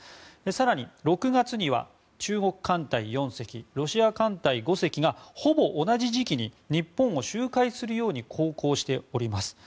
更に６月には中国艦隊４隻、ロシア艦隊５隻がほぼ同じ時期に日本を周回するように航行しております。